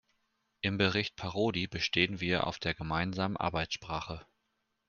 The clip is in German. Im Bericht Parodi bestehen wir auf einer gemeinsamen Arbeitssprache.